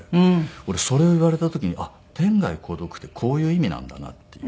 俺それを言われた時にあっ天涯孤独ってこういう意味なんだなっていう。